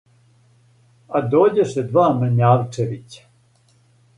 А дођоше два Мрњавчевића,